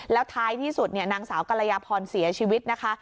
แล้วท้ายที่สุดนางสาวกรยาพรเสียชีวิตนะคะ